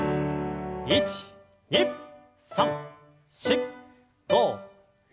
１２３４５６７８。